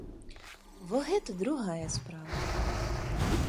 Во гэта другая справа.